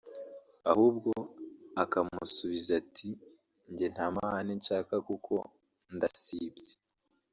ahubwo akamusubiza ati Njye nta mahane nshaka kuko ndasibye